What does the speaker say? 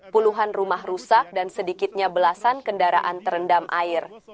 puluhan rumah rusak dan sedikitnya belasan kendaraan terendam air